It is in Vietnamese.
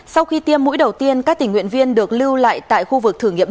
sau khi tiêm mũi đầu tiên các tình nguyện viên được lưu lại tại khu vực thử nghiệm